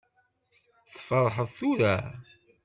Tferḥeḍ tura?